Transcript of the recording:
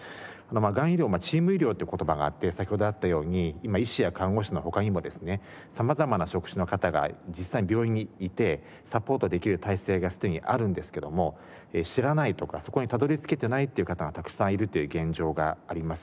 がん医療はチーム医療って言葉があって先ほどあったように今医師や看護師の他にもですね様々な職種の方が実際に病院にいてサポートできる体制がすでにあるんですけども知らないとかそこにたどり着けてないっていう方がたくさんいるという現状があります。